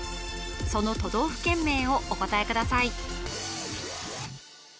その都道府県名をお答えください